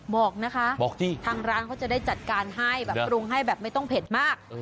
บอกนะคะบอกสิทางร้านเขาจะได้จัดการให้แบบปรุงให้แบบไม่ต้องเผ็ดมาก